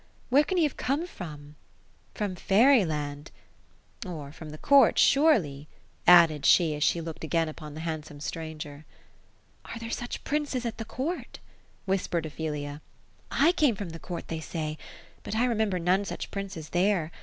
Where can he have oome from ? From fairy land — or from the court, surely ;" added she, as she looked again upon th. handsome stranger. "• Are there such princes at the court ?" whispered Ophelia. ^ I came from the court, they say ; but I remember none such princes there.